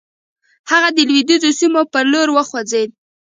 هغه د لويديځو سيمو پر لور وخوځېد.